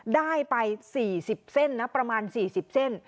ได้ไป๔๐เส้นนะประมาณ๔๐เส้น